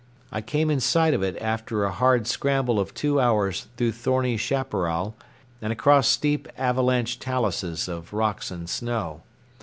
I came in sight of it after a hard scramble of two hours through thorny chaparral and across steep avalanche taluses of rocks and snow.